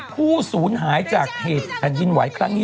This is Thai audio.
ผู้สูญหายจากเหตุแผ่นดินไหวครั้งนี้